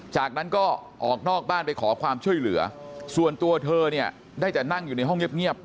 จากนั้นก็ออกนอกบ้านไปขอความช่วยเหลือส่วนตัวเธอเนี่ยได้แต่นั่งอยู่ในห้องเงียบ